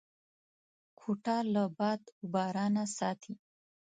کوټه له باد و بارانه ساتي.